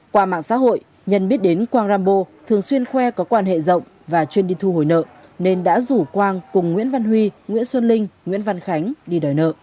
qua mạng xã hội nhân biết đến quang rambo thường xuyên khoe có quan hệ rộng và chuyên đi thu hồi nợ nên đã rủ quang cùng nguyễn văn huy nguyễn xuân linh nguyễn văn khánh đi đòi nợ